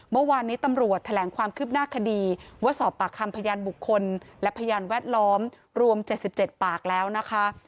เมื่อวานนี้ตำรวจแถลงความคืบหน้าคดีว่าสอบปากคำพยานบุคคลและพยานแวดล้อมรวม๗๗ปากแล้วนะคะ